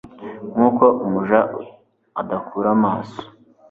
nk’uko umuja adakura amaso